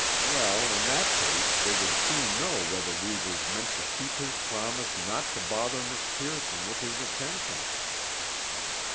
Well, in that case they would soon know whether Reivers meant to keep his promise not to bother Miss Pearson with his attentions.